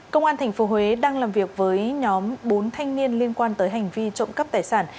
công an tp huế đang làm việc với nhóm bốn thanh niên liên quan tới hành vi trộm cắp tài sản